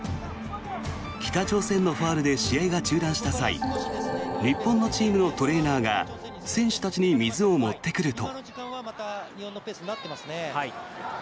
北朝鮮のファウルで試合が中断した際日本のチームのトレーナーが選手たちに水を持ってくると。